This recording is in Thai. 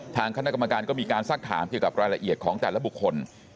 ทางคณะกรรมการก็มีการสักถามเกี่ยวกับรายละเอียดของแต่ละบุคคล